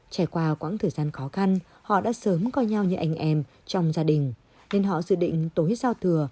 trải qua quãng thời gian khó khăn họ đã sớm coi nhau như anh em trong gia đình nên họ dự định tối giao thừa